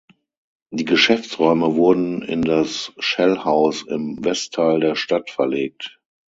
Die Geschäftsräume wurden in das Shell-Haus im Westteil der Stadt verlegt.